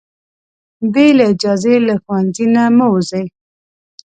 بې له اجازې له ښوونځي نه مه وځئ.